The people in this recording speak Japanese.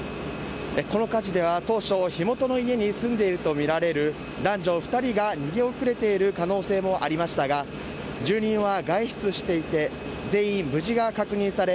この火事では当初、火元の家に住んでいられるとみられる男女２人が逃げ遅れている可能性もありましたが住人は外出していて全員、無事が確認され